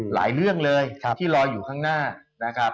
หลายเรื่องเลยที่รออยู่ข้างหน้านะครับ